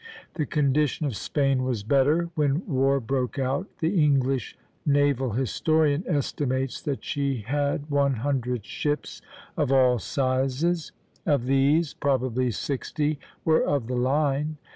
The condition of Spain was better. When war broke out, the English naval historian estimates that she had one hundred ships of all sizes; of these, probably sixty were of the line.